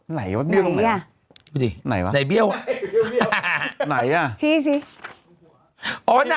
ไหนว่าเบี้ยวไหนอ่ะ